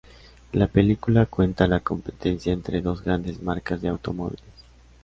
La película cuenta la competencia entre dos grandes marcas de automóviles.